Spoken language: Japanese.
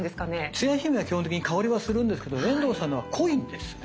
つや姫は基本的に香りはするんですけど遠藤さんのは濃いんですね